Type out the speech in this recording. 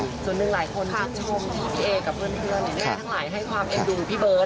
ส่วนหนึ่งหลายคนชื่นชมพี่เอกับเพื่อนทั้งหลายให้ความเอ็นดูพี่เบิร์ต